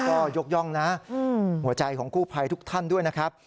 ก็ยกย่องนะหัวใจของกู้ภัยทุกท่านด้วยนะครับ